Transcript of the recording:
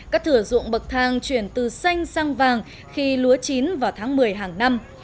các thửa ruộng bậc thang chuyển từ xanh sang vàng khi lúa chín vào tháng một mươi hàng năm